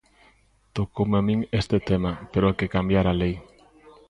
Tocoume a min este tema, pero hai que cambiar a lei.